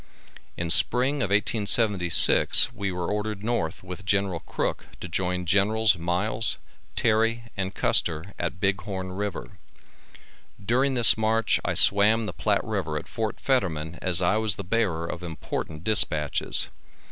In spring of 1876, we were ordered north with General Crook to join Gen'ls Miles, Terry and Custer at Big Horn river. During this march I swam the Platte river at Fort Fetterman as I was the bearer of important dispatches.